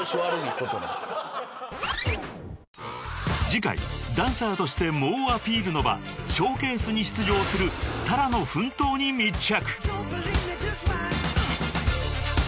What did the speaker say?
［次回ダンサーとして猛アピールの場ショーケースに出場するＴａｒａの奮闘に密着］